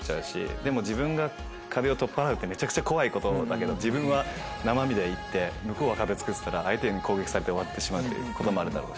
でも自分が壁を取っ払うってめちゃくちゃ怖いことだけど自分は生身で行って向こうが壁つくってたら相手に攻撃されて終わってしまうということもあるだろうし。